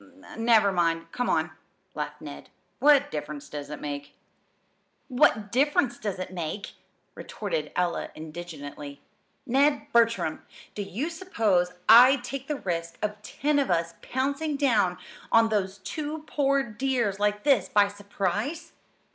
"Never mind, come on," laughed Ned. "What difference does it make?" "'What difference does it make'!" retorted Ella indignantly. "Ned Bertram, do you suppose I'd take the risk of ten of us pouncing down on those two poor dears like this by surprise?